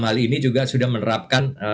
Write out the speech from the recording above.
hal ini juga sudah menerapkan